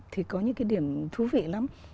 thì có những cái điểm thú vị lắm